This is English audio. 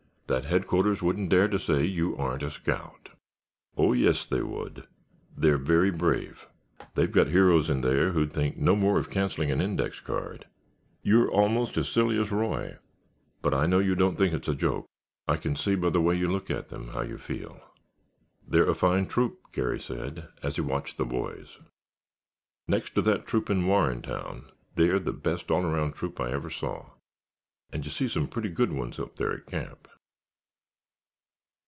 That headquarters wouldn't dare to say you aren't a scout." "Oh yes, they would—they're very brave. They've got heroes in there who'd think no more of cancelling an index card——" "You're almost as silly as Roy. But I know you don't think it's a joke. I can see by the way you look at them how you feel." "They're a fine troop," Garry said, as he watched the boys. "Next to that troop in Warrentown they're the best all around troop I ever saw—and you see some pretty good ones up there at camp."